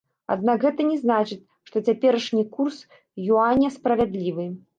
Аднак гэта не значыць, што цяперашні курс юаня справядлівы.